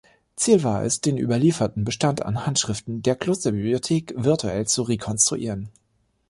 Ziel war es, den überlieferten Bestand an Handschriften der Klosterbibliothek virtuell zu rekonstruieren.